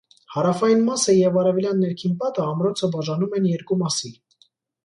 Հարավային մասը և արևելյան ներքին պատը ամրոցը բաժանում են երկու մասի։